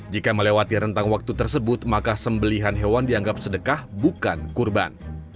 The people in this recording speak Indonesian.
jika melewati rentang waktu tersebut maka sembelihan hewan dianggap sedekah bukan kurban